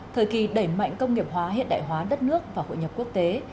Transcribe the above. thời kỳ đẩy mạnh công nghiệp hóa hiện đại hóa đất nước và hội nhập quốc tế